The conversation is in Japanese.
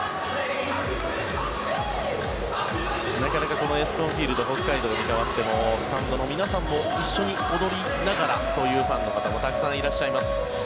このＥＳＣＯＮＦＩＥＬＤＨＯＫＫＡＩＤＯに変わってもスタンドの皆さんも一緒に踊りながらというファンの方もたくさんいらっしゃいます。